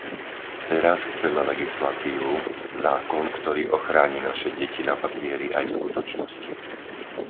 Teraz chceme legislatívu, zákon, ktorý ochráni naše deti na papieri aj v skutočnosti.